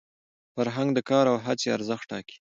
فرهنګ د کار او هڅي ارزښت ټاکي.